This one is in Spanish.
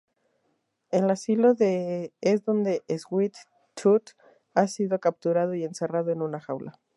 El asilo es donde Sweet Tooth ha sido capturado y encerrado en una jaula.